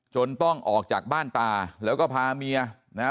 ต้องออกจากบ้านตาแล้วก็พาเมียนะฮะ